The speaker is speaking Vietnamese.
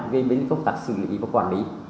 về bên công tác xử lý và quản lý